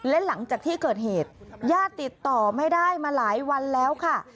และหลังจากที่เกิดเหตุญาติติดต่อไม่ได้มาหลายวันแล้วค่ะ